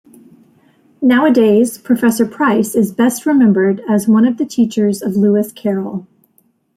Nowadays, Professor Price is best remembered as one of the teachers of Lewis Carroll.